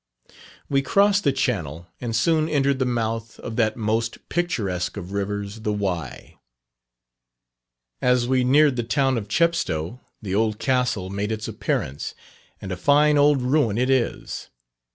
We crossed the channel and soon entered the mouth of that most picturesque of rivers, the Wye. As we neared the town of Chepstow the old Castle made its appearance, and a fine old ruin it is.